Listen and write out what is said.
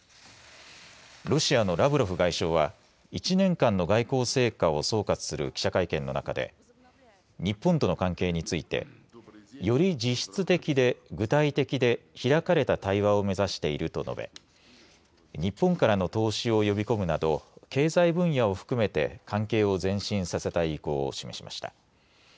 ロシアのラブロフ外相は１年間の外交成果を総括する記者会見の中で日本との関係についてより実質的で具体的で開かれた対話を目指していると述べ日本からの投資を呼び込むなど経済分野を含めて関係を前進させたい意向を示しました。